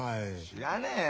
知らねえよ。